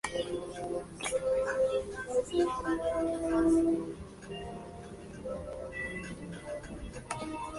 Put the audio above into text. Dos canes con cuatro ojos cada uno guardan al final del puente.